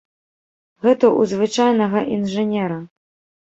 Гэта ў звычайнага інжынера.